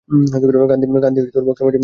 গান্ধী বক্তার মঞ্চে একা ছিলেন।